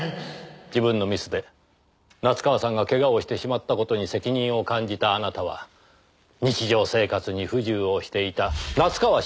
自分のミスで夏河さんが怪我をしてしまった事に責任を感じたあなたは日常生活に不自由をしていた夏河氏に代わり。